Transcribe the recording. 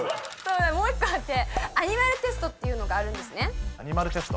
もう１個あってアニマルテストっていうのがあるんですね。